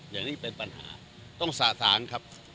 อย่างนี้เป็นปัญหาต้องสะสางครับ